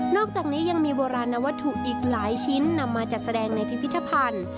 อกจากนี้ยังมีโบราณวัตถุอีกหลายชิ้นนำมาจัดแสดงในพิพิธภัณฑ์